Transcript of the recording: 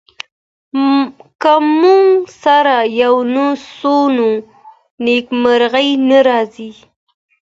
که موږ سره يو نه سو نو نېکمرغي نه راځي.